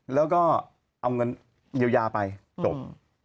แล้วก็เอาเงินเยียวยาไปจบ